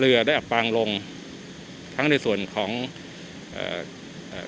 เรือได้อับปางลงทั้งในส่วนของเอ่อเอ่อ